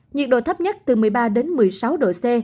nhiệt độ thấp nhất từ một mươi ba đến một mươi sáu độ c